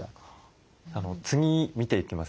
次見ていきます